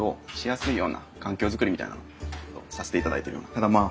ただまあ